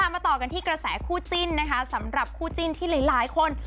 มาต่อกันที่กระแสคู่จิ้นนะคะสำหรับคู่จิ้นที่หลายคน